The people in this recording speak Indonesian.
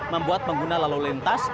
membuat pengguna lalu lintas